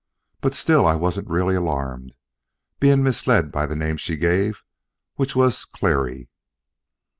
But still I wasn't really alarmed, being misled by the name she gave, which was Clery.